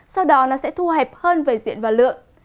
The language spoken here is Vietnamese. sau đó nó sẽ thu hẹp hơn về diện và lượng